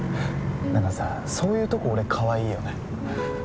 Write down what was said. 何かさそういうとこ俺かわいいよね